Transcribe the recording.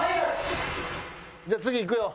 じゃあ次いくよ。